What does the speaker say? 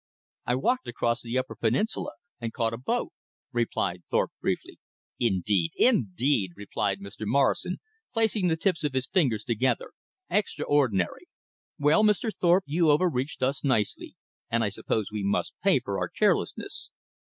"I walked across the upper peninsula, and caught a boat," replied Thorpe briefly. "Indeed, INDEED!" replied Mr. Morrison, placing the tips of his fingers together. "Extraordinary! Well, Mr. Thorpe, you overreached us nicely; and I suppose we must pay for our carelessness.